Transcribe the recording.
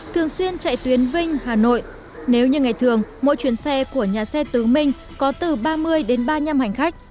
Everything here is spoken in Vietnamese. thường xuyên chạy tuyến vinh hà nội nếu như ngày thường mỗi chuyến xe của nhà xe tứ minh có từ ba mươi đến ba mươi năm hành khách